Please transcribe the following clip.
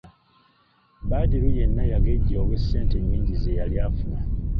Badru yenna yagejja olw'essente ennyingi ze yali afuna.